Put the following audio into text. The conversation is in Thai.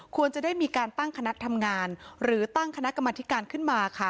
ควรจะได้มีการตั้งคณะทำงานหรือตั้งคณะกรรมธิการขึ้นมาค่ะ